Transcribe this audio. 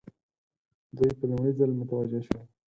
دوی په لومړي ځل متوجه شول.